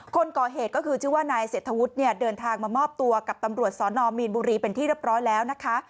คนก่อเหตุก็คือชื่อว่านายเศรษฐวุฒิเนี่ยเดินทางมามอบตัวกับตำรวจสนมีนบุรีเป็นที่เรียบร้อยแล้วนะคะ